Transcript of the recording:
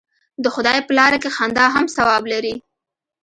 د خدای په لاره کې خندا هم ثواب لري.